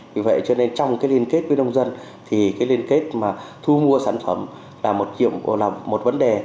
vì vậy cho nên trong cái liên kết với nông dân thì cái liên kết mà thu mua sản phẩm là một vấn đề